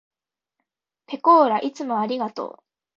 ぺこーらいつもありがとう。